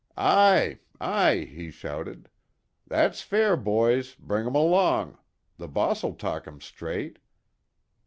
"Aye, aye," he shouted. "That's fair, boys, bring 'em along. The boss'll talk 'em straight."